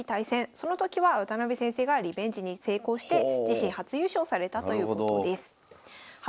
その時は渡辺先生がリベンジに成功して自身初優勝されたということです。